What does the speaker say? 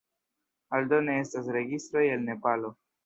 Aldone, estas registroj el Nepalo.